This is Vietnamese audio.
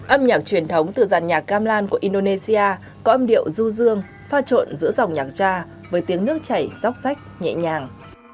âm nhạc truyền thống từ giản nhạc gamlan của indonesia có âm điệu du dương pha trộn giữa dòng nhạc tra với tiếng nước chảy dóc sách nhẹ nhàng